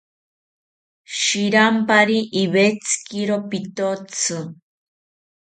Shiranpari iwetzikiro pitotzi